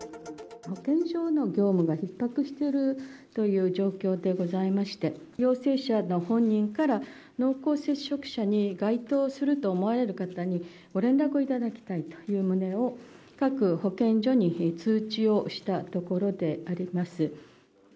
保健所の業務がひっ迫しているという状況でございまして、陽性者の本人から濃厚接触者に該当すると思われる方に、ご連絡を頂きたいという旨を各保健所に通知をしたところであります。